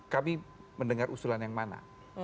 kami mendengar usulan yang mana